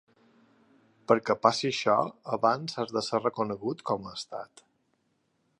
Perquè passi això abans has de ser reconegut com a estat.